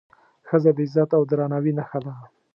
ښځه د عزت او درناوي نښه ده.